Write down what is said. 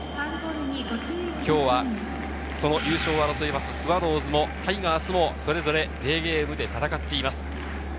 今日は優勝を争うスワローズもタイガースもそれぞれデーゲームで戦っています。